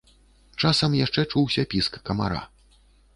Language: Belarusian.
Часамі яшчэ чуўся піск камара.